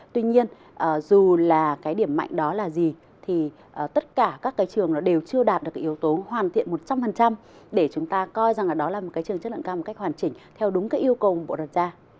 tuy nhiên dù là cái điểm mạnh đó là gì thì tất cả các cái trường nó đều chưa đạt được cái yếu tố hoàn thiện một trăm linh để chúng ta coi rằng là đó là một cái trường chất lượng cao một cách hoàn chỉnh theo đúng cái yêu cầu bộ đặt ra